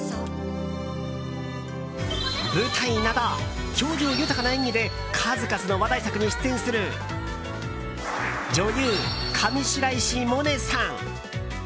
舞台など、表情豊かな演技で数々の話題作に出演する女優・上白石萌音さん。